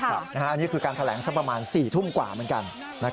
อันนี้คือการแถลงสักประมาณ๔ทุ่มกว่าเหมือนกัน